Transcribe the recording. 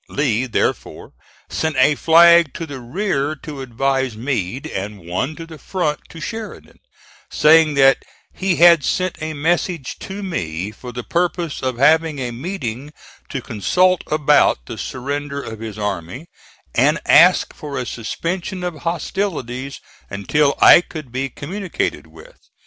Lee, therefore, sent a flag to the rear to advise Meade and one to the front to Sheridan, saying that he had sent a message to me for the purpose of having a meeting to consult about the surrender of his army, and asked for a suspension of hostilities until I could be communicated with.